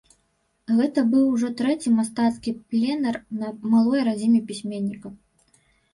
Гэта быў ужо трэці мастацкі пленэр на малой радзіме пісьменніка.